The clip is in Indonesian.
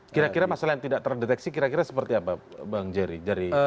kira kira masalah yang tidak terdeteksi kira kira seperti apa bang jerry